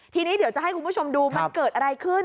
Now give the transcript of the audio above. ทีนี้เดี๋ยวจะให้คุณผู้ชมดูมันเกิดอะไรขึ้น